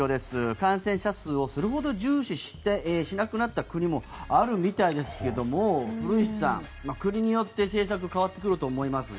感染者数をそれほど重視しなくなった国もあるみたいですけども古市さん、国によって政策は変わってくると思いますが。